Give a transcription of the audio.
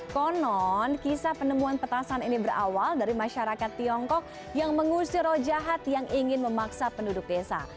konon kisah penemuan petasan ini berawal dari masyarakat tiongkok yang mengusir roh jahat yang ingin memaksa penduduk desa